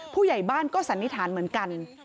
ผู้ใหญ่บ้านก็สันนิษฐานเหมือนกัน